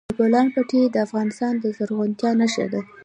د بولان پټي د افغانستان د زرغونتیا نښه ده.